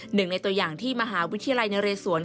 หนึ่งในตัวอย่างที่มหาวิทยาลัยนเรศวร